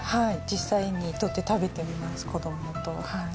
実際にとって食べています子供とはい。